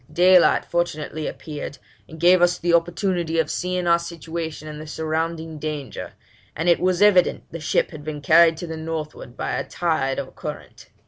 Daylight fortunately appeared, and gave us the opportunity of seeing our situation and the surrounding danger, and it was evident the ship had been carried to the northward by a tide or current.